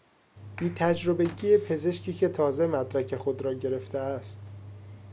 بیتجربگی پزشکی که تازه مدرک خود را گرفته است